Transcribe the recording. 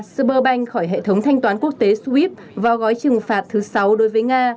superbank khỏi hệ thống thanh toán quốc tế swift vào gói trừng phạt thứ sáu đối với nga